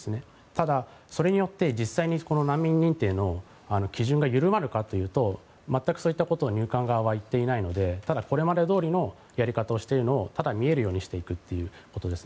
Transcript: ただ、それによって実際にこの難民認定の基準が緩まるかというと全くそういうことは入管側は言っていないのでただ、これまでどおりのやり方をしているのをただ見えるようにしていくということです。